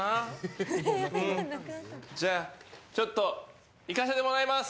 じゃあちょっといかせてもらいます。